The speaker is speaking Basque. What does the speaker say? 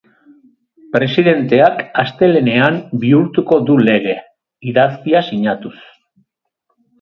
Presidenteak astelehenean bihurtuko du lege, idazkia sinatuz.